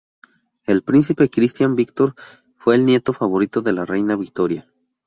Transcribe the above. El príncipe Cristián Víctor fue el nieto favorito de la reina Victoria.